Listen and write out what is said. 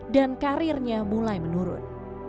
dan karirnya mulai menurun